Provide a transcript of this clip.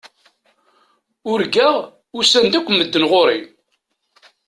Urgaɣ usan-d akk medden ɣur-i.